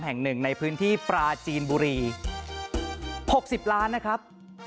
แห่งหนึ่งในพื้นที่ปราจีนบุรี๖๐ล้านนะครับ